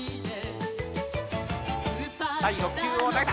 第６球を投げた。